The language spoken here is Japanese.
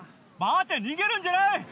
待て逃げるんじゃない！